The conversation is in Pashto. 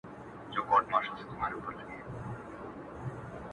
هم د زرو موږكانو سكه پلار يم٫